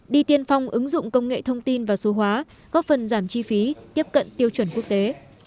đi tiên phong ứng dụng công nghệ thông tin và số hóa góp phần giảm chi phí tiếp cận tiêu chuẩn quốc tế